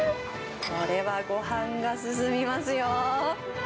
これはごはんが進みますよー。